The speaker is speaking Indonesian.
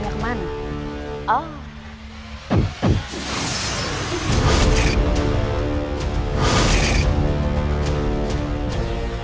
mencari dia kemana